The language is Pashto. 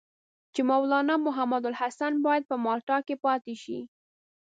چې مولنا محمودالحسن باید په مالټا کې پاتې شي.